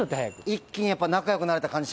一気に仲よくなれた感じ。